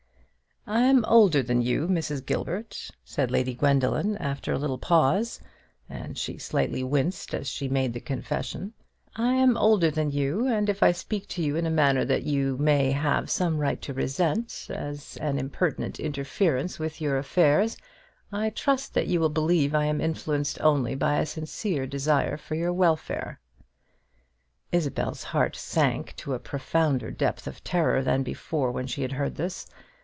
"I am older than you, Mrs. Gilbert," said Lady Gwendoline, after a little pause, and she slightly winced as she made the confession; "I am older than you; and if I speak to you in a manner that you may have some right to resent as an impertinent interference with your affairs, I trust that you will believe I am influenced only by a sincere desire for your welfare." Isabel's heart sank to a profounder depth of terror than before when she heard this.